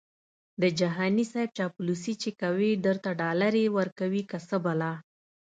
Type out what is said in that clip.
د جهاني صیب چاپلوسي چې کوي درته ډالري ورکوي څه بلا🤑🤣